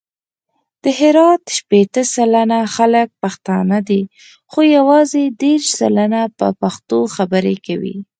د هرات شپېته سلنه خلګ پښتانه دي، خو یوازې دېرش سلنه په پښتو خبري کوي.